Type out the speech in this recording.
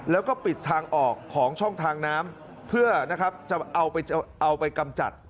แล้วก็ปิดทางออกของช่องทางน้ำเพื่อนะครับจะเอาไปกำจัด